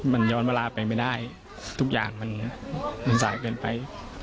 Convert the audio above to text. มันย้อนเวลาไปไม่ได้ทุกอย่างมันสายเกินไป